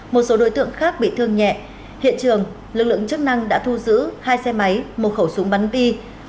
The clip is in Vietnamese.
một số đối tượng khác bị thương nhẹ hiện trường lực lượng chức năng đã thu giữ hai xe máy một khẩu súng bắn bi